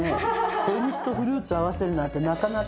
鶏肉とフルーツを合わせるなんてなかなか。